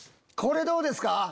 これどうですか？